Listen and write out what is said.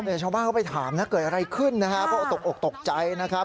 ชาวบ้านเขาไปถามนะเกิดอะไรขึ้นนะฮะเพราะตกอกตกใจนะครับ